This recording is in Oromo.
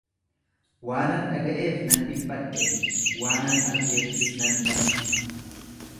Waanan dhaga'eef nan dhiphadhe, waanan argeefis nan na'e.